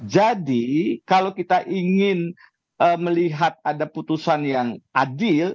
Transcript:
jadi kalau kita ingin melihat ada putusan yang adil